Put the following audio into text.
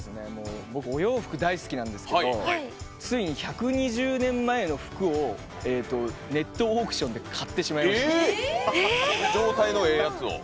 僕、お洋服大好きなんですけどつい１２０年前の服をネットオークションで状態のええやつを？